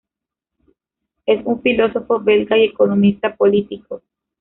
Es un filósofo belga y economista político.